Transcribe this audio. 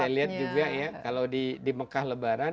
saya lihat juga ya kalau di mekah lebaran